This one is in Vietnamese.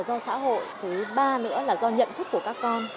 do xã hội thứ ba nữa là do nhận thức của các con